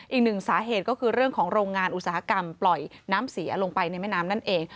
อีกหนึ่งสาเหตุก็คือเรื่องของโรงงานอุตสาหกรรมปล่อยน้ำเสียลงไปในแม่น้ำนั่นเอง